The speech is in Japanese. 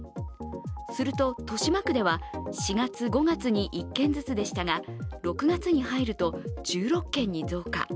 すると、豊島区では４月、５月に１件ずつでしたが、６月に入ると１６件に増加。